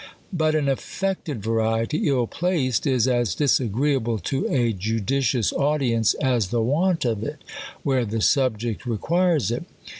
But an affected variety, ill placed, is as disagreeable to a judicious audience, as the want of it, where the subject requires it.